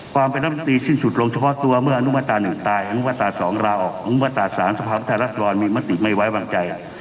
ความประทับตีสิ้นสุดลงเฉพาะตัวเมื่ออนุมัตราหนึ่งตายอนุมัตราสองลาออกอนุมัตราสามสภาพฤทธิรัตนรมีมติไม่ไว้บังใจ